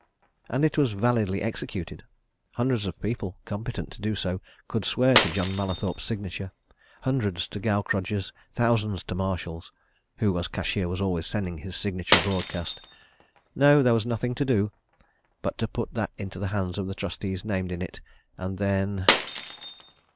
And it was validly executed. Hundreds of people, competent to do so, could swear to John Mallathorpe's signature; hundreds to Gaukrodger's; thousands to Marshall's who as cashier was always sending his signature broadcast. No, there was nothing to do but to put that into the hands of the trustees named in it, and then....